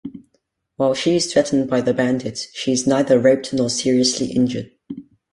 While she is threatened by the bandits, she is neither raped nor seriously injured.